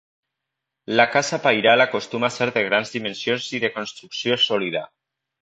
La casa pairal acostuma a ser de grans dimensions i de construcció sòlida.